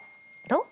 どう？